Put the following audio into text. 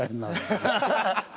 ハハハハ！